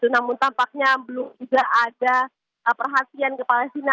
namun tampaknya belum juga ada perhatian ke palestina